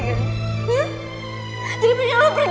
jadi mendingan lu pergi aja